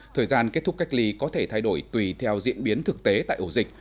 thời gian kết thúc cách ly có thể thay đổi tùy theo diễn biến thực tế tại ổ dịch